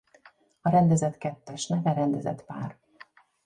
A rendezett kettes neve rendezett pár.